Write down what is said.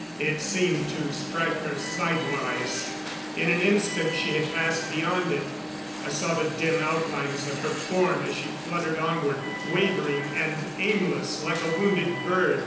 It seemed to strike her sidewise. In an instant she had passed beyond it. I saw the dim outlines of her form as she fluttered onward, wavering and aimless like a wounded bird.